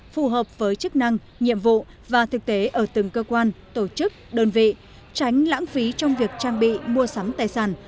phù hợp với chức năng nhiệm vụ và thực tế ở từng cơ quan tổ chức đơn vị tránh lãng phí trong việc trang bị mua sắm tài sản